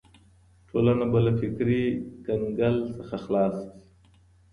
ټولنه به له فکري کنګل څخه خلاصه سي.